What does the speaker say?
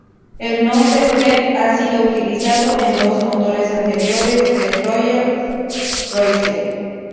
El nombre Trent ha sido utilizado en dos motores anteriores de la Rolls-Royce.